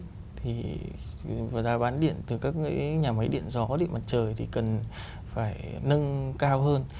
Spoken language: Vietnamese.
giá bán điện từ các nhà máy điện gió điện mặt trời thì cần phải nâng cao hơn